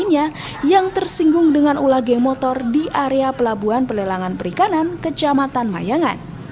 yang tersinggung dengan ula geng motor di area pelabuhan pelelangan perikanan kecamatan mayangan